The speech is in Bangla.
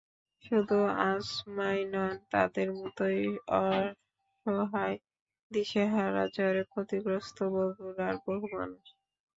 শুধু আসমাই নন, তাঁর মতোই অসহায়, দিশেহারা ঝড়ে ক্ষতিগ্রস্ত বগুড়ার বহু মানুষ।